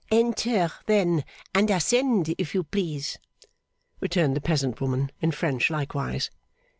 'Enter then and ascend, if you please,' returned the peasant woman, in French likewise.